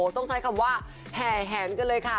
ต้องใช้คำว่าแห่แหนกันเลยค่ะ